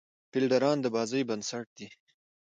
فیلډران د بازۍ بېنسټ دي.